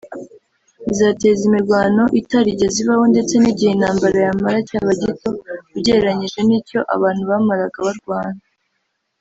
bizateza imirwano itarigeze ibaho ndetse n’igihe intambara yamara cyaba gito ugereranyije n’icyo abantu bamaraga barwana